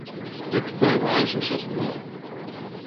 Дык баявая ж усё зброя.